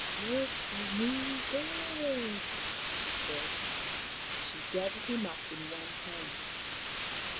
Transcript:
" It is a new bird," she said. She gathered him up in one hand.